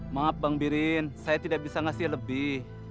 maaf bang birin saya tidak bisa ngasih lebih